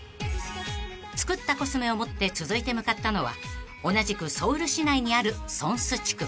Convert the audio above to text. ［作ったコスメを持って続いて向かったのは同じくソウル市内にある聖水地区］